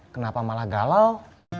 kenapa malah galau